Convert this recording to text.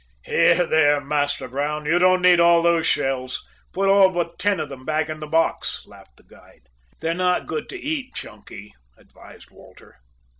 "Here, here, Master Brown! You don't need all those shells. Put all but ten of them back in the box," laughed the guide. "They're not good to eat, Chunky," advised Walter.